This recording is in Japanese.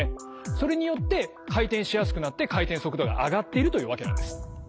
それによって回転しやすくなって回転速度が上がっているというわけなんです。